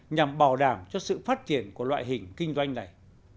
nhằm bảo đảm cho sự phát triển của loại doanh nghiệp khởi nghiệp